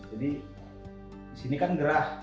jadi di sini kan gerah